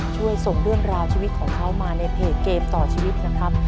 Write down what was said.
ช่วยส่งเรื่องราวชีวิตของเขามาในเพจเกมต่อชีวิตนะครับ